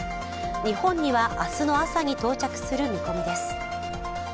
日本には明日の朝に到着する見込みです。